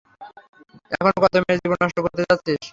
এখনো কত মেয়ের জীবন নষ্ট করতে যাচ্ছিস?